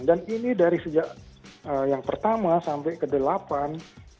dan ini dari sejak yang pertama sampai ke delapan